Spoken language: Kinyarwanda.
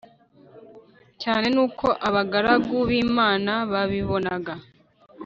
cyane nuko abagaragu b imana babibonaga